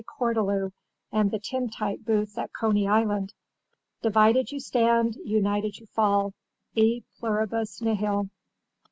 Cortelyou and the tintype booths at Coney Island. Divided you stand, united you fall. E pluribus nihil.